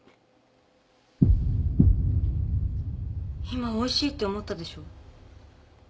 今おいしいって思ったでしょ？